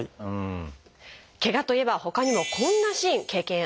ケガといえばほかにもこんなシーン経験ありませんか？